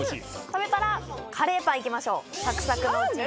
食べたらカレーパンいきましょうサクサクのうちに。